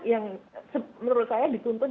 yang menurut saya dituntut